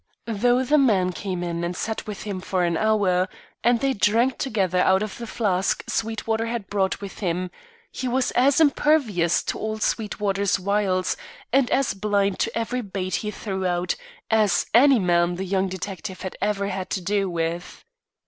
Though the man came in and sat with him for an hour, and they drank together out of the flask Sweetwater had brought with him, he was as impervious to all Sweetwater's wiles and as blind to every bait he threw out, as any man the young detective had ever had to do with.